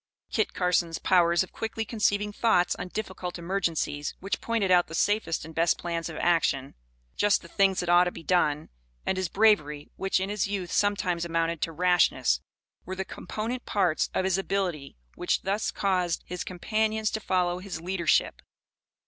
Kit Carson's powers of quickly conceiving thoughts, on difficult emergencies, which pointed out the safest and best plans of action, "just the things that ought to be done," and his bravery, which, in his youth, sometimes amounted to rashness, were the component parts of his ability which thus caused his companions to follow his leadership.